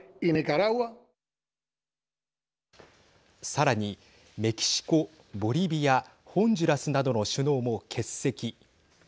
さらに、メキシコ、ボリビアホンジュラスなどの首脳も欠席。